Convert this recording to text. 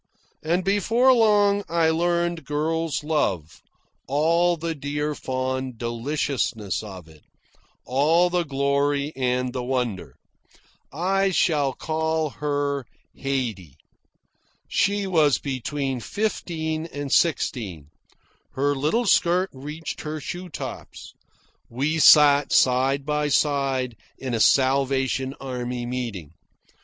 And before long I learned girl's love, all the dear fond deliciousness of it, all the glory and the wonder. I shall call her Haydee. She was between fifteen and sixteen. Her little skirt reached her shoe tops. We sat side by side in a Salvation Army meeting.